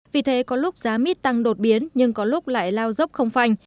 vì thế có lúc giá mít tăng đột biến nhưng có lúc lại lao dốc không phanh